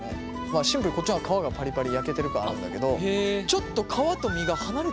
シンプルにこっちの方が皮がパリパリ焼けてる感あるんだけどちょっと皮と身が離れてる感じがする。